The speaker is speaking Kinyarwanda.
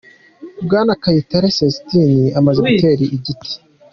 Bwana Kayitare Celestin, amaze gutera igiti.